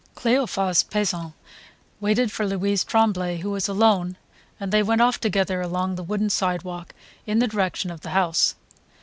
Cleophas Pesant waited for Louisa Tremblay who was alone, and they went off together along the wooden sidewalk in the direction of the house.